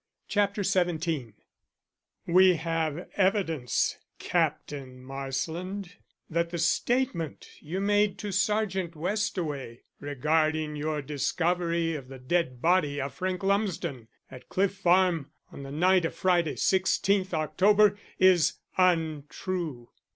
CHAPTER XVII "WE have evidence, Captain Marsland, that the statement you made to Sergeant Westaway regarding your discovery of the dead body of Frank Lumsden at Cliff Farm on the night of Friday, 16th October, is untrue."